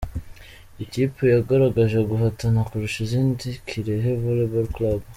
Ikipe yagaragaje guhatana kurusha izindi: Kirehe Volleyball Club.